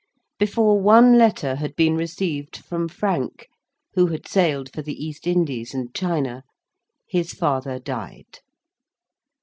Before one letter had been received from Frank (who had sailed for the East Indies and China), his father died.